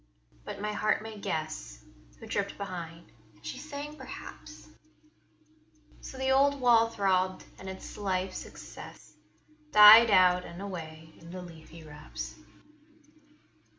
But my heart may guess Who tripped behind; and she sang, perhaps: So the old wall throbbed, and its life's excess Died out and away in the leafy wraps.